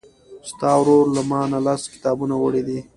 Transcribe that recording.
ستا ورور له مانه لس کتابونه وړي دي.